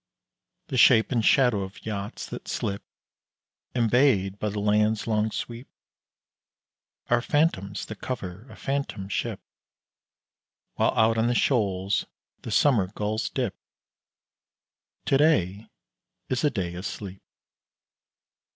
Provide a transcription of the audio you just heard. The shape and shadow of yachts that slip Embayed by the land's long sweep Are phantoms that cover a phantom ship, While out on the shoals the summer gulls dip To day is a day asleep.